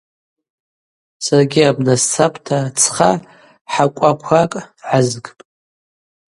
Саргьи абна сцапӏта цха хӏакӏваквакӏ гӏазгпӏ.